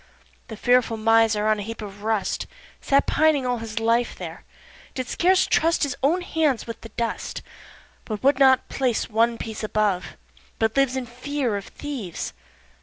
3. The fearful miser on a heap of rust Sat pining all his life there, did scarce trust His own hands with the dust, But would not place one piece above, but lives In fear of thieves.